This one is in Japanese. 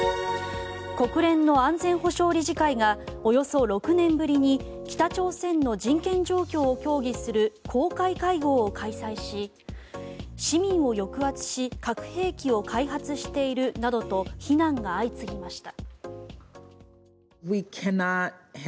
国連の安全保障理事会がおよそ６年ぶりに北朝鮮の人権状況を協議する公開会合を開催し市民を抑圧し核兵器を開発しているなどと非難が相次ぎました。